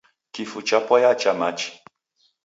Kifu chapo yacha machi.